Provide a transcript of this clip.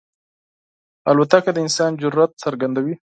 الوتکه د انسان جرئت څرګندوي.